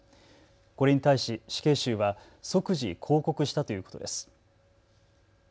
これに対し死刑囚は即時抗告したということです。